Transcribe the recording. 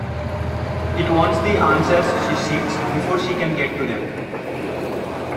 It wants the answers she seeks before she can get to them.